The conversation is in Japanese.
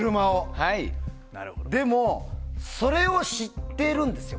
でも、それを知っているんですよ